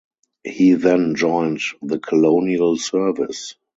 He then joined the Colonial Service.